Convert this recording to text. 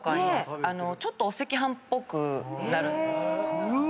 ちょっとお赤飯っぽくなる。